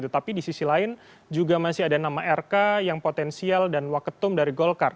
tetapi di sisi lain juga masih ada nama rk yang potensial dan waketum dari golkar